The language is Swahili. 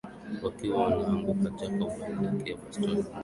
Wakiwa wanaanguka Jacob alidaka bastola moja ya wale jamaa